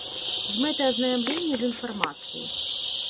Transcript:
З мэтай азнаямлення з інфармацыяй.